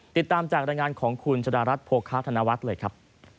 ติดตามจากรายงานของคุณชะดารัฐโภคาธนวัฒน์เลยครับ